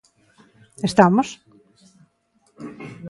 ¿Estamos?